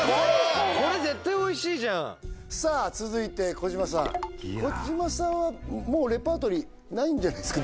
これ絶対おいしいじゃんさあ続いて児嶋さん児嶋さんはもうレパートリーないんじゃないですか？